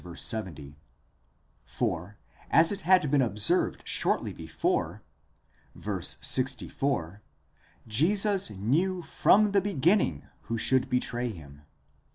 70); for, as it had been observed shortly before (v. 64), /esus knew from the beginning,—who should betray him.